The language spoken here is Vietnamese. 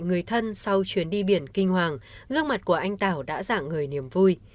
người thân sau chuyến đi biển kinh hoàng gương mặt của anh tảo đã giảng người niềm vui